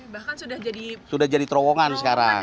bahkan sudah jadi terowongan sekarang